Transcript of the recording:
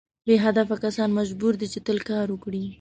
بې هدفه کسان مجبور دي چې تل کار وکړي.